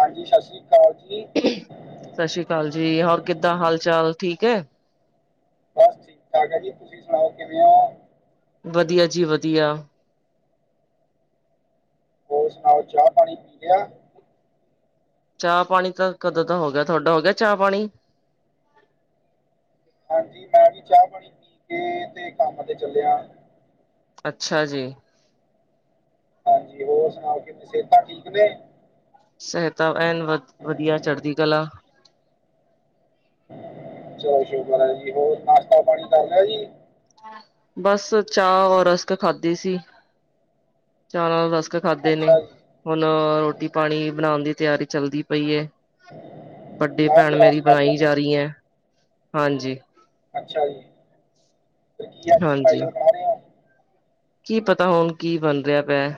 ਹਾਂਜੀ, ਸਤਿ ਸ਼੍ਰੀਾਲ। ਸਤਿ ਸ੍ਰੀ ਅਕਾਲ ਜੀ। ਹੋਰ ਕਿੱਦਾਂ ਹਾਲ- ਚਾਲ ਠੀਕ ਹੈ? ਬਸ ਠੀਕ- ਠਾਕ ਹੈ ਜੀ। ਤੁਸੀਂ ਸੁਣਾਓ ਕਿਵੇਂ ਹੋ? ਵਧੀਆ ਜੀ ਵਧੀਆ। ਹੋਰ ਸੁਣਾਓ, ਚਾਹ- ਪਾਣੀ ਪੀ ਲਿਆ। ਚਾਹ- ਪਾਣੀ ਤਾਂ ਕਦੋਂ ਤਾਂ ਹੋ ਗਿਆ। ਤੁਹਾਡਾ ਹੋ ਗਿਆ ਚਾਹ- ਪਾਣੀ? ਹਾਂਜੀ, ਮੈਂ ਵੀ ਚਾਹ- ਪਾਣੀ ਪੀ ਕੇ। ਤੇ ਕੰਮ ਤੇ ਚੱਲਿਆ। ਅੱਛਾ ਜੀ। ਹਾਂਜੀ, ਹੋਰ ਸੁਣਾਓ, ਕਿਵੇਂ ਸਿਹਤਾਂ ਠੀਕ ਨੇ? ਸਹਾਇਤਾ ਅਹਨ ਵਧ ਵਧੀਆ, ਚੜਦੀ ਕਲਾ। ਚਲੋ ਸ਼ੁਕਰ ਹੈ ਜੀ। ਹੋਰ ਨਾਸ਼ਤਾ ਪਾਣੀ ਕਰ ਰਿਹਾ ਜੀ। ਬਸ ਚਾਹ ਔਰ ਰਸਕ ਖਾਦੇ ਸੀ। ਚਾਹ ਨਾਲ ਬਸ। ਖਾਧੇ ਨੇ, ਅੱਛਾ ਜੀ, ਹੁਣ ਰੋਟੀ- ਪਾਣੀ ਬਣਾਉਣ ਦੀ ਤਿਆਰੀ ਚੱਲਦੀ ਪਈ ਏ। ਵੱਡੀ ਚਾਹ ਭੈਣ, ਤੇ ਰਸ ਮੇਰੀ ਖਾਧੇ ਬਣਾਈ ਨੇ, ਜਾ ਰਹੀ ਹੈ। ਹਾਂਜੀ। ਅੱਛਾ ਜੀ, ਫੇਰ ਕੀ ਅੱਜ ਹਾਂਜੀ। ਸਪੈਸ਼ਲ ਬਣਾ ਰਹੇ ਹੋ? ਕੀ ਪਤਾ, ਹੁਣ ਕੀ ਬਣ ਰਿਹਾ ਪਿਆ।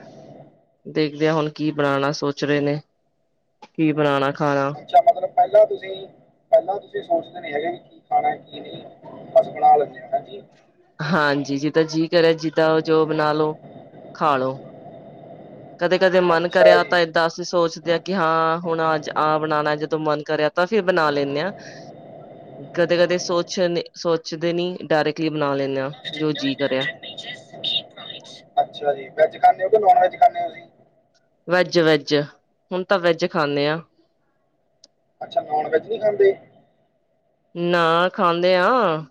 ਦੇਖ- ਹੁਣ ਕੀ ਬਣਾਉਣਾ ਸੋਚ ਰਹੇ ਨੇ। ਕੀ ਬਣਾਉਣਾ ਖਾਣਾ, ਅੱਛਾ, ਮਤਲਬ ਪਹਿਲਾਂ ਤੁਸੀਂ- ਪਹਿਲਾਂ ਤੁਸੀਂ ਸੋਚਦੇ। ਨ ਹੈਗਾ ਕੀ ਖਾਣਾ, ਕੀ ਨਹੀਂ ਬਸ ਬਣਾ ਲੈਂਦੇ ਆ ਹ ਜੀ। ਹਾਂਜੀ, ਜਿਦਾਂ ਜੀ ਕਰੇ, ਜਿਦਾਾਂ ਜੋ ਬਣਾ ਲੋ ਖਾਾਲੋ। ਕਦੇ- ਕਦੇ ਮਨ ਅੱਛਾ ਕਰਿਆ ਤਾਂ ਜੀ। ਏਦਾਂ ਅਸੀਂ ਸੋਚਦੇ ਹਾਂ, ਕਿ ਹਾਂ ਹੁਣ ਅੱਜ ਆ ਬਣਾਉਣਾ ਜਦੋਂ ਮਨ ਕਰਿਆ। ਤਾਂ ਫੇਰ ਬਣਾ ਲੈਂਦੇ ਹਾਂ। ਕਦੇ- ਕਦੇ ਸੋਚ ਸੋਚਦੇ ਨੀ ਡਾਇਰੈਕਟਲੀ ਬਣਾ ਲੈਂਦੇ ਆਂ, ਜੋ ਜੀਅ ਕਰਿਆ। ਅੱਛਾ ਜੀ ਵੈਜ ਖਾਂਦੇ ਹੋ ਕਿ ਨੋਨ ਵੈਜ ਖਾਂਦੇ ਹੋ ਤੁਸੀਂ? Veg, veg. ਹੁਣ ਤਾਂ ਵੈਜ ਖਾਂਦੇ ਆ। ਅੱਛਾ, ਨਨ ਵੈੱਜ ਨਹੀਂ ਖਾਂਦੇ। ਨਾ ਖਾਂਦੇ ਆ।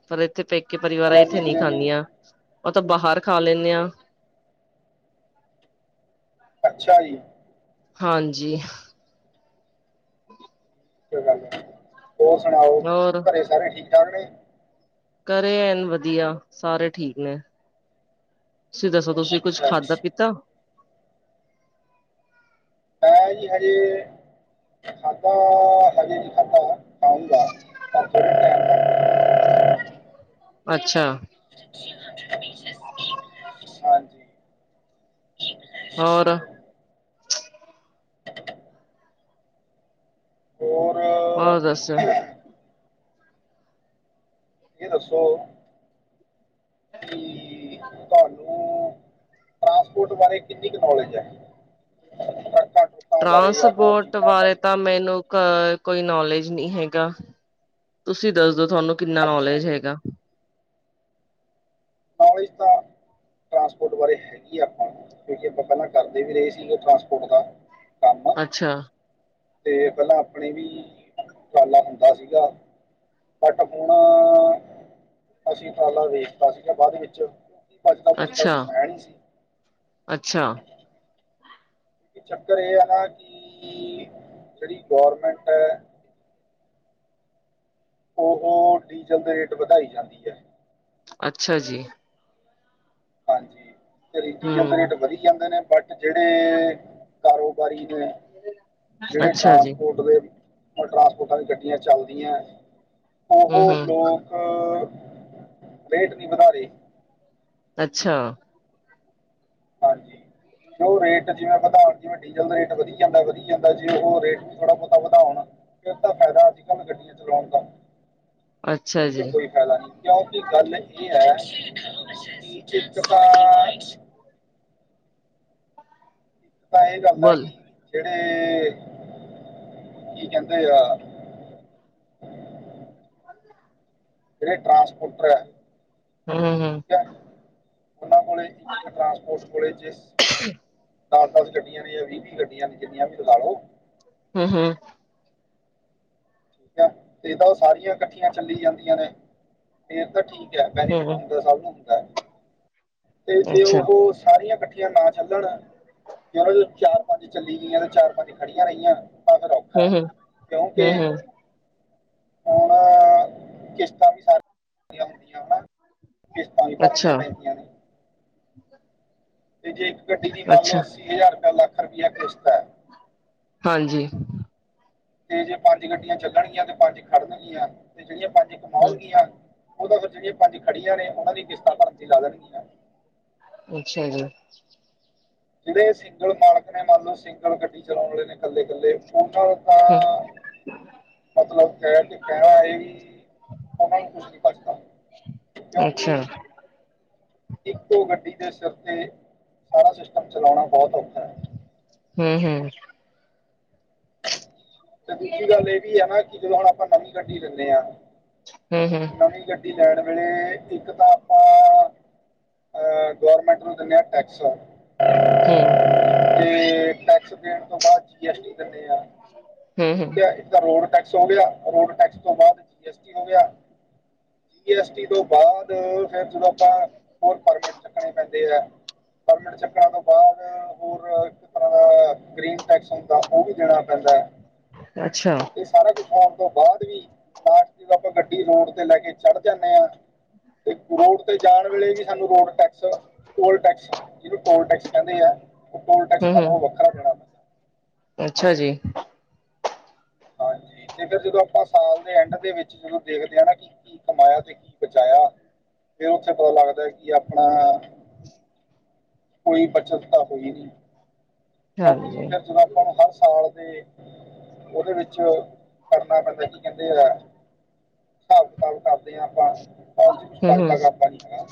ਪਰ ਇੱਥੇ ਪੇਕੇ ਪਰਿਵਾਰਾਂ, ਇੱਥੇ ਬਿਰਿਆਨੀ ਨਹੀਂ ਬਿਰਿਆਨੀ ਖਾਂਦੀਆਂ। ਉਹ ਤਾਂ ਬਾਹਰ ਖਾ ਲੈਂਦੇ ਹਾਂ। ਅੱਛਾ, ਜੀ। ਹਾਂਜੀ। ਗੱਲ ਹੋਰ ਸੁਣਾਓ? ਹੋਰ ਘਰੇ ਸਾਰੇ ਠੀਕ- ਠਾਕ ਨੇ। ਘਰੇ ਐਨ ਵਧੀਆ ਸਾਰੇ ਠੀਕ ਨੇ ਤੁਸੀਂ ਦੱਸੋ ਤੁਸੀਂ ਕੁੱਝ ਅੱਛਾ ਖਾਧਾ ਜੀ ਪੀਤਾ ਆਈ ਏ ਹਜੇ ਖਾਦਾ ਹਜੇ ਨੀ ਖਾਦਾ ਖਊਗਾ [unintelligible] ਅੱਛਾ ਹਾ ਜੀ ਹੋਰ ਹੋਰ ਹੋਰ ਦਸਿਓ ਇਹ ਦੱਸੋ ਕਿ ਤੁਹਾਨੂੰ ਟਰਾਂਸਪੋਰਟ ਬਾਰੇ ਕਿੰਨੀ ਕੁ ਨੌਲੇਜ ਹੈੱ ਟਰਾਂਸਪੋਰਟ ਬਾਰੇ ਤਾਂ ਮੈਨੂੰ ਅ ਕੋਈ ਨੌਲੇਜ ਨਹੀਂ ਹੈਗਾ ਤੁਸੀਂ ਦੱਸਦੋ ਤੁਹਾਨੂੰ ਕਿੰਨਾ ਅੱਛਾ ਨੌਲੇਜ ਜੀ ਹੈਗਾ ਬਾਰਿਸ਼ ਤਾਂ ਟਰਾਂਸਪੋਰਟ ਬਾਰੇ ਹੈਗੀ ਆ ਆਪਾਂ ਕਿਉਂਕਿ ਆਪਾਂ ਪਹਿਲਾਂ ਕਰਦੇ ਵੀ ਰਹੇ ਸੀਗੇ ਟਰਾਂਸਪੋਰਟ ਦਾ ਅੱਛਾ ਤੇ ਪਹਿਲਾਂ ਆਪਣੇ ਵੀ ਉਰਾਲਾ ਹੁੰਦਾ ਸੀਗਾ ਬਟ ਹੁਣ ਅਸੀਂ ਉਪਰਾਲਾ ਵੇਚਤਾ ਸੀਗਾ ਬਾਅਦ ਵਿੱਚ ਭੱਜਦਾ ਪੁੱਜਦਾ ਅੱਛਾ, ਕੁਛ ਹੈ ਨੀ ਸੀ ਅੱਛਾ, ਇੱਕ ਚੱਕਰ ਇਹ ਹੈ ਨਾ ਕਿ ਜਿਹੜੀ ਗੌਰਮੈਂਟ ਹੈ ਉਹ ਡੀਜ਼ਲ ਦੇ ਰੇਟ ਵਧਾਈ ਜਾਂਦੀ ਹੈ ਅੱਛਾ ਜੀ ਹਾਂਜੀ ਤੇ ਰੀਜੀ ਜਾਂਦੇ ਨੇ ਹੂੰ, ਰੇਟ ਵਧੀ ਜਾਂਦੇ ਨੇ ਬਟ ਜਿਹੜੇ ਕਾਰੋਬਾਰੀ ਜਿਹੜੇ ਅੱਛਾ ਜੀ, ਟਰਾਂਸਪੋਰਟ ਦੇ ਟਰਾਂਸਪੋਰਟਾਂ ਦੀ ਗੱਡੀਆਂ ਚੱਲਦੀਆਂ ਉਹ ਹੂੰ-ਹੂੰ, ਲੋਕ ਰੇਟ ਨੀ ਵਧਾ ਰੇ ਅੱਛਾ। ਹਾਂਜੀ। ਤੇ ਉਹ ਰੇਟ ਜਿਵੇਂ ਵਧਾਉਣ ਜਿਵੇਂ ਡੀਜ਼ਲ ਦਾ ਰੇਟ ਵਧੀ ਜਾਂਦਾ ਵਧੀ ਜਾਂਦਾ ਜੀ ਉਹ ਰੇਟ ਵੀ ਥੋੜ੍ਹਾ ਬਹੁਤਾ ਵਧਾਉਣ ਫਿਰ ਤਾਂ ਫਾਇਦਾ ਅੱਜ-ਕੱਲ ਗੱਡੀਆਂ ਚਲਾਉਣ ਦਾ। ਅੱਛਾ ਨਹੀਂ ਤੇ ਜੀ, ਕੋਈ ਫਾਇਦਾ ਨਹੀਂ ਕਿਉਂਕਿ ਗੱਲ ਇਹ ਹੈ [inaudible] ਤਾਂ ਇਹ ਗਲ ਏ ਬੋਲ ਕਿ ਤੇ ਕੀ ਕਹਿੰਦੇ ਆ ਜਿਹੜੇ ਟਰਾਂਸਪੋਰਟਰ ਹੈ ਹੂ ਹੂ ਠੀਕ ਹੈ ਉਹਨਾਂ ਕੋਲੇ ਟਰਾਂਸਪੋਰਟ ਕੋਲੇ ਜਿਸ ਦਸ ਦਸ ਗੱਡੀਆਂ ਨੇ ਜਾਂ ਵੀਹ-ਵੀਹ ਗੱਡੀਆਂ ਨੇ ਜਿੰਨੀਆਂ ਵੀ ਲਗਾ ਲੋ ਹੂ ਹੂ ਠੀਕ ਹੈ ਫਿਰ ਤਾਂ ਉਹ ਸਾਰੀਆਂ ਇਕੱਠੀਆਂ ਚੱਲੀ ਜਾਂਦੀਆਂ ਨੇ ਤੇ ਤਾਂ ਠੀਕ ਹੈ ਹੂੰ, ਹੂੰ, ਬੈਨੀਫਿਟ ਹੂੰ, ਹੁੰਦਾ ਸਭ ਨੂੰ ਹੈ। ਤੇ ਜੇ ਅੱਛਾ। ਉਹ ਸਾਰੀਆਂ ਇਕੱਠੀਆਂ ਨਾ ਚੱਲਣ ਤੇ ਉਹਨਾਂ ਚਾਰ ਪੰਜ ਚੱਲੀ ਗਈਆਂ ਚਾਰ ਖੜੀਆਂ ਰਹੀਆਂ ਤਾਂ ਫਿਰ ਔਖਾ ਹੈ ਹੂੰ-ਹੂੰ, ਕਿਉਂਕਿ ਹੂੰ-ਹੂੰ, ਹੁਣ ਕਿਸ਼ਤਾਂ ਵੀ ਸਾਰੀਆਂ ਹੁੰਦੀਆਂ ਹਨਾ ਕਿਸ਼ਤਾਂ ਵੀ ਅੱਛਾ, ਭਰਨੀਆਂ ਪੈਂਦੀਆਂ ਨੇ। ਤੇ ਜੇ ਇੱਕ ਗੱਡੀ ਦੀ ਮੰਨ ਲਓ ਅੱਛਾ, ਅੱਸੀ ਹਜ਼ਾਰ ਰਪੀਆ ਲੱਖ ਰੁਪਇਆ ਕਿਸ਼ਤ ਹੈ। ਹਾਂਜੀ, ਤੇ ਜੇ ਪੰਜ ਗੱਡੀਆਂ ਚੱਲਣਗੀਆਂ ਤੇ ਪੰਜ ਖੜਨਗੀਆਂ ਤੇ ਜਿਹੜੀਆਂ ਪੰਜ ਹਮ। ਕਮਾਉਣਗੀਆਂ ਉਹ ਤਾਂ ਫਿਰ ਜਿਹੜੀਆਂ ਪੰਜ ਖੜੀਆਂ ਨੇ ਉਹਨਾਂ ਦੀ ਕਿਸ਼ਤਾਂ ਭਰਨ ਦੀ ਲਾ ਦੇਣਗੀਆਂ। ਅੱਛਾ ਜੀ। ਜਿਹੜੇ ਸਿੰਗਲ ਮਾਲਕ ਨੇ ਮੰਨ ਲਓ ਸਿੰਗਲ ਗੱਡੀ ਚਲਾਉਣ ਵਾਲੇ ਨੇ ਇਕੱਲੇ ਇਕੱਲੇ ਉ ਹੂੰ, [unintelligible] ਮਤਲਬ ਹੈ ਕਿ ਕਹਿਣਾ ਇਹ ਵੀ ਉਹਨਾਂ ਨੂੰ ਕੁਛ ਨੀ ਬਚਦਾ। ਕਿਉਂਕਿ ਅੱਛਾ। ਇੱਕੋ ਗੱਡੀ ਦੇ ਸਿਰ ਤੇ ਸਾਰਾ ਸਿਸਟਮ ਚਲਾਉਣਾ ਬਹੁਤ ਓ ਹਮ ਹਮ। ਤੇ ਦੂਜੀ ਗੱਲ ਇਹ ਵੀ ਹੈ ਨਾ ਕਿ ਜਦੋਂ ਹੁਣ ਆਪਾਂ ਨਵੀਂ ਗੱਡੀ ਲੈਂਦੇ ਹਾਂ ਹੂੰ-ਹੂੰ, ਨਵੀਂ ਗੱਡੀ ਲੈਣ ਵੇ ਇੱਕ ਤਾਂ ਆਪਾਂ ਅ ਗੌਰਮੈਂਟ ਨੂੰ ਦਿੰਦੇ ਹਾਂ ਟੈਕਸ ਹਮ। ਤੇ ਟੈਕਸ ਦੇਣ ਤੋਂ ਬਾਅਦ ਜੀ ਐਸ ਟੀ। ਹੂੰ-ਹੂੰ, ਠੀਕ ਹੈ ਇੱਕ ਤਾਂ ਰੋਡ ਟੈਕਸ ਹੋ ਗਿਆ ਰੋਡ ਟੈਕਸ ਤੋਂ ਬਾਅਦ ਜੀ ਐਸ ਟੀ ਹੋ ਗਿਆ। ਜੀ ਐਸ ਟੀ ਤੋਂ ਬਾਅਦ ਫਿਰ ਜਦੋਂ ਆਪਾਂ ਹੋਰ ਪਰਮਿਟ ਚੱਕਣੇ ਪੈਂਦੇ ਆ ਪਰਮਟ ਚੱਕਰਾਂ ਤੋਂ ਬਾਅਦ ਹੋਰ ਇੱਕ ਤਰ੍ਹਾਂ ਦਾ ਗ੍ਰੀਨ ਟੈਕਸ ਹੁੰਦਾ ਉਹ ਵੀ ਦੇਣਾ ਪੈਂਦਾ। ਹੈ ਅੱਛਾ, ਇਹ ਸਾਰਾ ਕੁਛ ਫੋਮ ਤੋਂ ਬਾਅਦ ਵੀ ਲਾਸਟ ਜਦੋਂ ਆਪਾਂ ਗੱਡੀ ਰੋਡ ਤੇ ਲੈ ਕੇ ਚੜ ਜਾਂਦੇ ਹਾਂ। ਤੇ ਰੋਡ ਤੇ ਜਾਣ ਵੇਲੇ ਵੀ ਸਾਨੂੰ ਰੋਡ ਟੈਕਸ ਟੋਲ ਟੈਕਸ ਜਿਹਨੂੰ ਟੋਲ ਟੈਕਸ ਕਹਿੰਦੇ ਹੈ। ਟੋਲ ਟੈਕਸ ਹੂੰ-ਹੂੰ। ਸਾਨੂੰ ਵੱਖਰਾ ਦੇਣਾ ਪੈਂਦਾ। ਅੱਛਾ ਜੀ, [inaudible] ਹਾਂਜੀ ਤੇ ਫਿਰ ਜਦੋਂ ਆਪਾਂ ਸਾਲ ਦੇ ਐਂਡ ਦੇ ਵਿੱਚ ਜਦੋਂ ਦੇਖਦੇ ਹਾਂ ਨਾ ਕੀ ਕਮਾਇਆ ਤੇ ਕੀ ਬਚਾਇਆ ਫਿਰ ਉੱਥੇ ਪਤਾ ਲੱਗਦਾ ਕਿ ਆਪਣਾ [inaudible] ਕੋਈ ਬੱਚਤ ਤਾਂ ਹੋਈ ਨੀ ਕਿਉਂਕਿ ਹਾਂਜੀ, ਫਿਰ ਜਦ ਆਪਾਂ ਹਰ ਸਾਲ ਤੇ ਉਹਦੇ ਵਿੱਚ ਕਰਨਾ ਪੈਂਦਾ ਕੀ ਕਹਿੰਦੇ? ਹਿਸਾਬ ਕਿਤਾਬ ਕਰਦੇ ਹਾਂ ਆਪਾਂ ਬ ਕੁਛ ਹੂੰ-ਹੂੰ, ਹੂੰ-ਹੂੰ, ਬਚਦਾ ਕਰ ਨ ਹੈਗਾ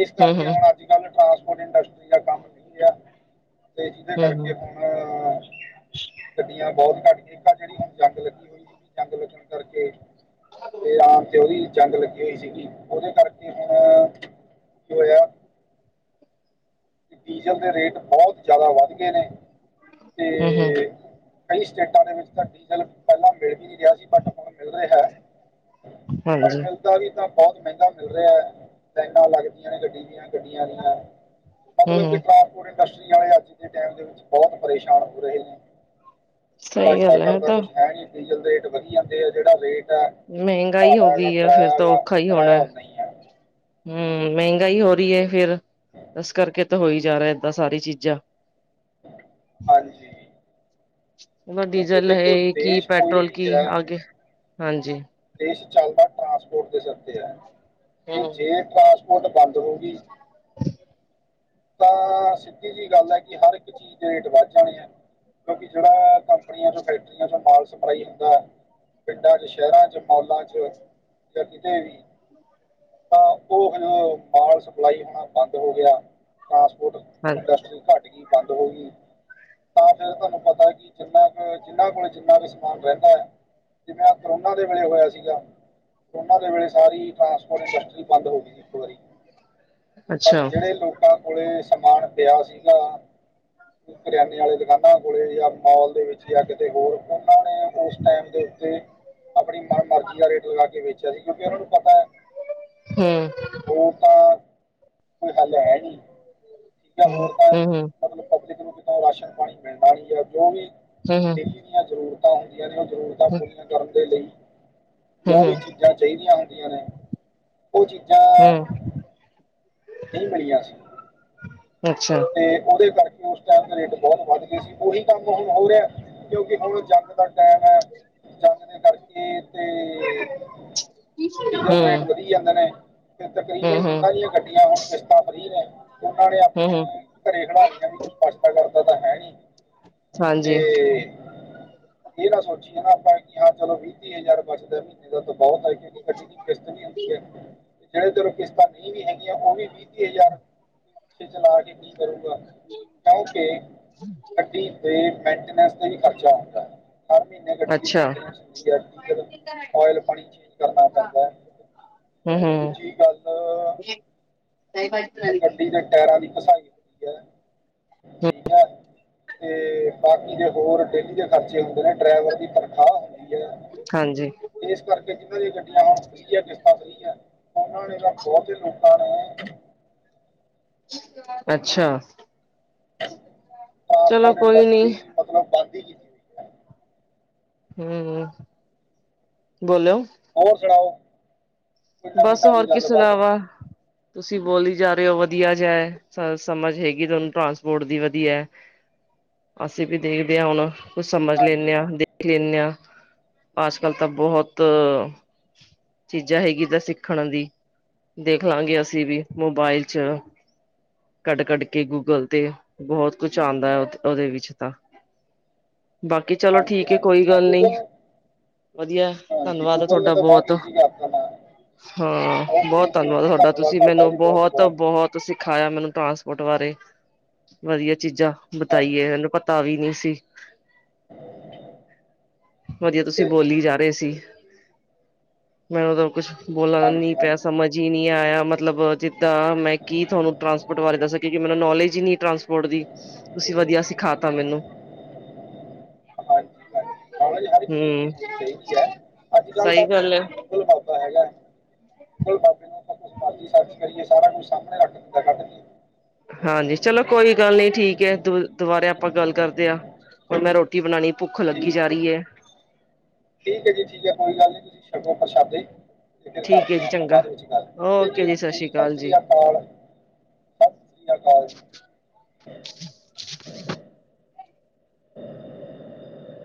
ਇਸ ਕਰਕੇ ਹੂੰ-ਹੂੰ, ਹੁਣ ਅੱਜ ਕੱਲ੍ਹ ਟਰਾਂਸਪਰ ਇੰਡਸਟਰੀ ਦਾ ਕੰਮ ਨਹੀਂ ਰਿਹਾ ਤੇ ਜਿਹਨਾਂ ਕਰਕੇ ਹੁਣ ਗੱਡੀਆਂ ਬਹੁਤ ਘੱਡੀ ਦੇ ਜਿਹੜੀ ਹੁ [inaudible] ਣ ਜੰਗ ਲੱਗੀ ਹੋਈ ਸੀਗੀ ਜੰਗ ਲੱਗਣ ਕਰਕੇ ਤੇ ਆਮ ਤੇ ਉਹਦੀ ਜੰਗ ਲੱਗੀ ਹੋਈ ਸੀਗੀ ਉਹਦੇ ਕਰਕੇ ਹੁਣ ਕੀ ਹੋਇਆ ਡੀਜ਼ਲ ਦੇ ਰੇਟ ਬਹੁਤ ਜ਼ਿਆਦਾ ਵੱਧ ਗਏ ਨੇ ਤੇ ਹੂੰ-ਹੂੰ, ਕਈ ਸਟੇਟਾਂ ਦੇ ਵਿੱਚ ਤਾਂ ਡੀਜ਼ਲ ਪਹਿਲਾਂ ਮਿਲ ਵੀ ਨਹੀਂ ਰਿਹਾ [unintelligible] ਰਿ ਪਰ ਹਾਂਜੀ, ਮਿਲਦਾ ਵੀ ਤਾਂ ਬਹੁਤ ਮਹਿੰਗਾ ਮਿਲ ਰਿਹਾ ਹੈ ਲਾਈ ਲੱਗਦੀਆਂ ਨੇ ਗੱਡੀ ਦੀਆਂ ਗੱਡੀਆਂ ਦੀਆਂ ਮਤਲਬ ਕਿ ਹੂੰ-ਹੂੰ, ਟਰਾਂਸਪੋਰਟ ਇੰਡਸਟਰੀ ਵਾਲੇ ਅੱਜ ਦੇ ਟਾਈਮ ਦੇ ਵਿੱਚ ਬਹੁਤ ਪਰੇਸ਼ਾਨ ਹੋ ਰਹੇ ਨੇ ਸਹੀ ਅੱਜ ਦਾ ਗੱਲ ਹੈ ਘਦਾ ਤਾਂ ਕੁਛ ਹੈ ਨੀ ਡੀਜ਼ਲ ਦੇ ਰੇਟ ਵਧੀ ਜਾਂਦੇ ਆ ਜਿਹੜਾ ਰੇਟ ਹੈ ਮਹਿੰਗਾਈ ਹੋ ਭਾੜਾ ਹੈਗਾ ਗਈ ਹੈ ਫੇਿਰ ਕਿਰਾਇਆ ਤਾਂ ਹੈਗਾ ਔਖਾ ਹੀ ਕਿਰਾਇਆ ਹੋਣਾ ਉਨਾ ਹੀ ਹੈ ਹਮ ਮਹਿੰਗਾਈ ਹੋ ਰਹੀ ਹੈ ਫਿਰ ਇਸ ਕਰਕੇ ਤਾਂ ਹੋਈ ਜਾ ਰਿਹਾ ਇਏਦਾਂ ਸਾਰੀ ਚੀਜ਼ਾਂ ਹਾਂਜੀ ਕਿਉਂਕਿ ਡੀਜ਼ਲ ਹੈ ਦੇਖੋ ਕੀ ਦੇਸ਼ ਕੋਈ ਪੈਟਰੋਲ ਵੀ ਕੀ ਹੈ ਅਗੇ ਹਾਂਜੀ ਦੇਸ਼ ਚੱਲਦਾ ਟਰਾਂਸਪੋਰਟ ਦੇ ਸਿਰ ਤੇ ਹੈ ਤੇ ਹੂੰ, ਜੇ ਟਰਾਂਸਪ ਟ ਬੰਦ ਹੋ ਗਈ ਤਾਂ ਸਿੱਧੀ ਜਿਹੀ ਗੱਲ ਹੈ ਕਿ ਹਰ ਇੱਕ ਚੀਜ਼ ਦੇ ਰੇਟ ਵੱਧ ਜਾਣੇ ਹੈ ਕਿਉਂਕਿ ਜਿਹੜਾ ਕੰਪਨੀਆਂ ਚ ਫੈਕਟਰੀਆਂ ਚੋਂ ਮਾਲ ਸਪਲਾਈ ਹੁੰਦਾ ਹੈ ਪਿੰਡਾਂ ਚ ਸ਼ਹਿਰਾਂ ' ਮਲਾਂ ਚ ਜਾਂ ਕਿਤੇ ਵੀ ਤਾਂ ਉਹ ਮਾਲ ਸਪਲਾਈ ਹੋਣਾ ਬੰਦ ਹੋ ਗਿਆ ਟਰਾਂਸਪੋਰਟ ਹਾਂ ਇੰਡਸਟਰੀ ਘੱਟ ਗਈ ਬੰਦ ਹੋ ਗਈ ਤਾਂ ਫੇਿਰ ਤੁਹਾਨੂੰ ਪਤਾ ਕਿ ਜਿੰਨਾ ਕੁ ਜਿੰਨਾਂ ਕੋਲ ਜਿੰਨਾ ਕੁ ਸਮਾਨ ਰਹਿੰਦਾ ਆ ਜਿਵੇਂ ਕਰੋਨਾ ਦੇ ਵੇਲੇ ਹੋਇਆ ਸਿਗਾ। ਕਰੋਨਾ ਦੇ ਵੇਲੇ ਸਾਰੀ ਟਰਾਂਸਪੋਰਟ ਇੰਡਸਟਰੀ ਬੰਦ ਹੋ ਗਈ ਸੀ ਇੱਕ ਵਾਰੀ ਅੱਛਾ, ਜਿਹੜੇ ਲੋਕਾਂ ਕੋਲੇ ਸਮਾਨ ਪਿਆ ਸੀਗਾ ਕਰਿਆਨੇ ਵਾਲੇ ਦੁਕਾਨਾਂ ਕੋਲੇ ਜਾਂ ਮਾਲ ਦੇ ਵਿੱਚ ਜਾਂ ਕਿਤੇ ਹੋਰ ਉਹਨਾਂ ਨੇ ਉਸ ਟਾਈਮ ਦੇ ਉੱਤੇ ਆਪਣੀ ਮਨ ਮਰਜ਼ੀ ਦਾ ਰੇਟ ਲਗਾ ਕੇ ਵੇਚਿਆ ਸੀ ਕਿਉਂਕਿ ਉਹਨਾਂ ਨੂੰ ਪਤਾ ਹੈ। ਹੂੰ, ਹੋ ਤਾਂ ਕੋਈ ਹੱਲ ਹੈ ਨੀ ਠੀਕ ਹੂੰ, ਹੋਰ ਤਾਂ ਹੂੰ-ਹੂੰ, ਮਤਲਬ ਪਬਲਿਕ ਨੂੰ ਰਾਸ਼ਨ ਪਾਣੀ ਮਿਲਦਾ ਹੀ ਹੈ ਜੋ ਵੀ ਹੂੰ-ਹੂੰ, ਡੇਲੀ ਦੀਆਂ ਜ਼ਰੂਰਤਾਂ ਹੁੰਦੀਆਂ। ਜ਼ਰੂਰਤਾਂ ਹੂੰ-ਹੂੰ, ਪੂਰੀਆਂ ਕਰਨ ਦੇ ਲਈ ਹੂੰ, ਹੂੰ ਜੋ ਵੀ ਹੂੰ, ਚੀਜ਼ਾਂ ਚਾਹੀਦੀਆਂ ਹੁੰਦੀਆਂ ਨੇ ਉਹ ਚੀਜ਼ਾਂ ਹੂੰ, ਨਹੀਂ ਮਿਲੀਆਂ ਸੀ। ਅੱਛਾ, ਤੇ ਉਹਦੇ ਕਰਕੇ ਉਸ ਟਾਈਮ ਦੇ ਰੇਟ ਬਹੁਤ ਵੱਧ ਗਏ ਸੀ ਉਹੀ ਕੰਮ ਹੋ ਰਿਹਾ ਕਿਉਂਕਿ ਹੁਣ ਜੰਗ ਦਾ ਟਾਈਮ ਹੈ ਜੰਗ ਦੇ ਕਰਕੇ ਤੇ ਡੀਜ਼ਲ ਰੇਟ ਹੂੰ, ਵਧੀ ਜਾਂਦੇ ਨੇ ਤਕਰੀਬਨ ਹੂੰ-ਹੂੰ, ਜਿਹਨਾਂ ਦੀਆਂ ਗੱਡੀਆਂ ਹੁਣ ਕਿਸ਼ਤਾਂ ਫਰੀ ਨੇ ਉਹਨਾਂ ਨੇ ਆਪਣੇ ਹੂੰ-ਹੂੰ, ਘਰੇ ਖੜਾ ਲਈ ਕੁਛ ਪੁੱਛਦਾ ਕਰਦਾ ਤਾਂ ਹੈ ਨੀ ਤੇ ਹਾਂਜੀ। ਇਹ ਨਾ ਸੋਚੀਏ ਨਾ ਆਪਾਂ ਕਿ ਹਾਂ ਚਲੋ ਵੀਹ ਤੀਹ ਹਜ਼ਾਰ ਬਚਦਾ ਮਹੀਨੇ ਦਾ ਤਾਂ ਬਹੁਤ ਹੈ। ਕਿਉਂਕਿ ਗੱਡੀ ਦੀ ਕਿਸ਼ਤ ਵੀ ਹੁੰਦੀ ਠੀਕ ਹੈ ਤੇ ਜਿਹੜੇ ਤੈਨੂੰ ਕਿਸ਼ਤਾਂ ਨਹੀਂ ਵੀ ਹੈਗੀਆਂ ਉਹ ਵੀਹ ਤੀਹ ਹਜ਼ਾਰ ਚਲਾ ਕੇ ਕੀ ਕਰੂਗਾ ਕਿਉਂਕਿ ਗੱਡੀ ਤੇ ਮੈਨਟੇਨਸ ਤੇ ਵੀ ਖਰਚਾ ਹੁੰਦਾ ਹਰ ਮਹੀਨੇ ਗੱਡੀੇਦੀ ਅੱਛਾ। ਮੈਨਟੇਨਸ ਹੁੰਦੀ ਹੈ ਡੀਜ਼ਲ ਓਇਲ ਪਾਣੀ ਚੇਂਜ ਕਰਨਾ ਪੈਂਦਾ ਹੈ, ਹੂੰ-ਹੂੰ, ਦੂਜੀ ਗੱਲ ਦਈ ਭਾਰੀਤ ਨਗੇ [inaudible] [inaudible] ਹੂ ਹੂੰ, ਬਾਕੀ ਦੇ ਹੋਰ ਡੇਲੀ ਦੇ ਖਰਚੇ ਹੁੰਦੇ ਨੇ ਡਰਾਈਵਰ ਦੀ ਤਨਖਾਹ ਹੁੰਦੀ ਹਾਂਜੀ ਹੈ। ਇਸ ਕਰਕੇ ਜਿਹਨਾਂ ਦੀਆਂ ਗੱਡੀਆਂ ਹੁਣ ਫਰੀ ਹੈ, ਕਿਸ਼ਤਾਂ ਫਰੀ ਹੈ ਉਹਨਾਂ ਨੇ ਤਾਂ ਬਹੁਤ ਲੋਕਾਂ ਨੇ ਅੱਛਾ ਚਲੋ ਟਰਾਂਸਪੋਰਟ ਕੋਈ ਨੀ ਇੰਡਸਟਰੀ ਮਤਲਬ ਬਾਕੀ ਹਮ, ਬੋਲੋ ਹੋਰ ਸੁਣਾਓ। ਨਵੀਂ ਬਸ ਹੋਰ ਤਾਜ਼ੀ ਕੀ ਗੱਲਬਾਤ ਸੁਣਾਵਾਂ। ਤੁਸੀਂ ਬੋਲੀ ਜਾ ਰਹੇ ਹੋ ਵਧੀਆ ਜਿਹਾ, ਸਮਝ ਹੈਗੀ ਤੁਹਾਨੂੰ ਟਰਾਂਸਪੋਰਟ ਦੀ ਵਧੀਆ ਹੈ। ਅਸੀਂ ਵੀ ਦੇਖਦੇ ਹਾਂ ਹੁਣ ਕੁਛ ਸਮਝ ਹਾਂਜੀ ਲੈਂਦੇ ਹਾਂ, ਹਾਂਜੀ ਦੇਖ ਲੈਂਦੇ ਹਾਂ। ਅੱਜਕਲ ਤਾਂ ਬਹੁਤ, ਚੀਜ਼ਾਂ ਹੈਗੀ ਤਾਂ ਸਿੱਖਣ ਦੀ, ਦੇਖ ਲਾਂਗੇ ਅਸੀਂ ਵੀ ਮੋਬਾਇਲ ਚ। ਕੱਢ ਕੱਢ ਕੇ ਗੂਗਲ ਤੇ ਬਹੁਤ ਕੁਛ ਆਉਂਦਾ ਹੈ, ਉਹਦੇ ਵਿੱਚ ਤਾਂ। ਬਾਕੀ ਚਲੋ ਹਾਂਜੀ ਠੀਕ ਹੈ ਕੋਈ ਹਾਂਜੀ ਹਾਂ ਗੱਲ ਨੀ ਗੂਗਲ ਵਧੀਆ ਹਾਂਜੀ ਧੰਨਵਾਦ ਗੂਗਲ ਨੇ ਤੁਹਾਡਾ ਤਾਂ ਬਹੁਤ। ਈਜ਼ੀ ਕਰਤਾ ਨਾ ਹਾਂ ਬਹੁਤ ਓਕੇ ਜੀ ਧੰਨਵਾਦ ਓਕੇ ਤੁਹਾਡਾ ਤੁਸੀਂ ਤੁਹਾਡਾ ਮੈਨੂੰ ਵੀ ਬਹੁਤ ਬਹੁਤ ਬਹੁਤ-ਬਹੁਤ ਸਿਖਾਇਆ ਮੈਨੂੰ ਟਰਾਨਸ ਟ [inaudible] ਬਾਰੇ ਵਧੀਆ ਚੀਜ਼ਾਂ ਬਿਤਾਈਏ ਹਾਂਜੀ ਇਹਨੂੰ ਪਤਾ ਵੀ ਨਹੀਂ ਸੀ। [inaudible] ਵਧੀਆ ਠੀਕ ਤੁਸੀਂ ਹੈ ਜੀ ਬੋਲੀ ਜਾ ਰਹੇ ਸੀ, ਮੈਂਨੂੰ ਤਾਂ ਕੁਛ ਬੋਲਨਾ ਨੀ ਹਾਂਜੀ ਪਿਆ ਹਾਂਜੀ ਸਮਝ ਹੀ ਨਹੀਂ ਆਇਆ। ਮਤਲਬ ਜਿੱਦਾਂ ਮੈਂ ਕੀ ਤੁਹਾਨੂੰ ਟਰਾਂਸਪੋਰਟ ਬਾਰੇ ਦੱਸਿਆ ਕਿਉਂਕਿ ਮੈਨੂੰ ਨੌਲੇਜ ਹੀ ਨਹੀ ਟਰਾਂਸਪੋਰਟ ਦੀ। ਵਧੀਆ ਸਿਖਾ ਤਾ ਮੈਨੂੰ। ਨੋਲਜ ਹਰ ਇੱਕ ਚੀਜ਼ ਦੀ ਹੂੰ ਹੋਣੀ ਚਾਹੀਦੀ ਹੈ, ਅੱਜ ਕੱਲ੍ਹ ਤਾਂ ਸਹੀ ਆਪਣੇ ਗੱਲ ਹੈ ਕੋਲ ਗੂਗਲ ਬਹੁਤਾ ਹੈਗਾ ਨਾਲ ਜਿੰਨਾ ਕੁਛ ਮਰਜ਼ੀ ਸਰਚ ਕਰੀਏ ਸਾਰਾ ਕੁਛ ਸਾਹਮਣੇ ਅੱ ਦਿੰਦਾ ਕੱਢ ਕੇਏ [inaudible] ਹਾਂਜੀ ਚਲੋ ਕੋਈ ਗੱਲ ਨੀ ਠੀਕ ਹੈ ਦੁ ਦੁਬਾਰੇ ਆਪਾਂ ਗੱਲ ਕਰਦੇ ਹਾਂ। ਹੁਣ ਮੈਂ ਰੋਟੀ ਬਣਾਉਣੀ ਭੁੱਖ ਲੱਗੀ ਜਾ ਠੀਕ ਰਹੀ ਜੀ। ਹੈ। ਠੀਕ ਹੈ ਜੀ ਠੀਕ ਹੈ ਕੋਈ ਗੱਲ ਨੀ ਤੁਸੀਂ ਛਕੋ ਪ੍ਰਸ਼ਾਦੇ। ਫ ਫਰ ਠੀਕ ਹੈ ਕਰਦੇ ਜੀ ਹਾਂ ਆਪਾਂ ਚੰਗਾ ਬਾਅਦ ਵਿੱਚ ਗੱਲ ਠੀਕ ਹੈ, ਜੀ ਓਕੇ, ਜੀ ਸਤਿ ਸ੍ਰੀ ਅਕਾਲ। ਸਤਿ ਸ੍ਰੀ ਅਕਾਲ ਜੀ। [inaudible] [inaudible]